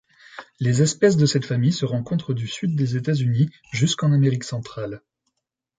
Les espèces de cette famille se rencontrent du Sud des États-Unis jusqu'en Amérique centrale.